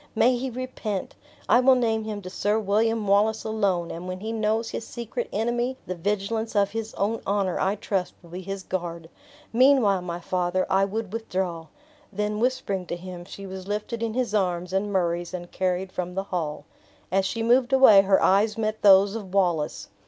May he repent! I will name him to Sir William Wallace alone; and when he knows his secret enemy, the vigilance of his own honor, I trust, will be his guard. Meanwhile, my father, I would withdraw." Then whispering to him, she was lifted in his arms and Murray's and carried from the hall. As she moved away her eyes met those of Wallace.